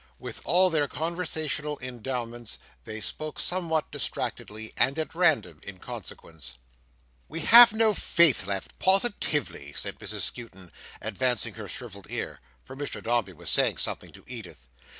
With all their conversational endowments, they spoke somewhat distractedly, and at random, in consequence. "We have no Faith left, positively," said Mrs Skewton, advancing her shrivelled ear; for Mr Dombey was saying something to Edith.